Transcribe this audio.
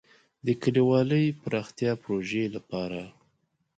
د کلیوالي پراختیا پروژې لپاره.